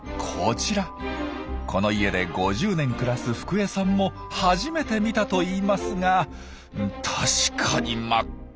この家で５０年暮らすふく江さんも初めて見たといいますが確かに真っ赤。